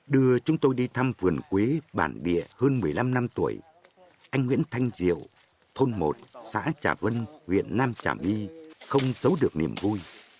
đưa chúng tôi đi thăm vườn quế bản địa hơn một mươi năm năm tuổi anh nguyễn thanh diệu thôn một xã trà vân huyện nam trà my không giấu được niềm vui